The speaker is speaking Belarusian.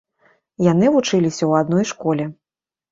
Яны вучыліся ў адной школе.